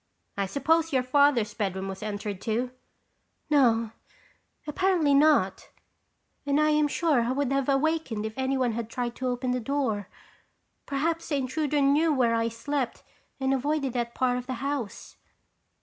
"I suppose your Father's bedroom was entered too?" "No, apparently not. My room adjoins and I am sure I would have awakened if anyone had tried to open the door. Perhaps the intruder knew where I slept and avoided that part of the house."